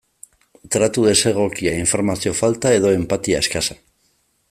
Tratu desegokia, informazio falta edo enpatia eskasa.